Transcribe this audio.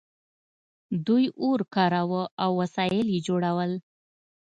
دوی اور کاراوه او وسایل یې جوړول.